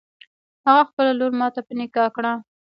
هغه خپله لور ماته په نکاح کړه.